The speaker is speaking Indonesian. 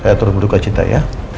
saya terus berdua cinta ya